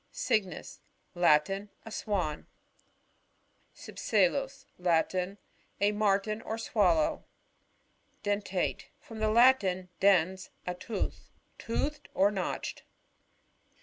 Cygnus. — Latin. A Swan. Cypselus. — Latin. A Martin or Swallow. Dentate. — From the Latin, dens^ a tooth. Toothed or notched.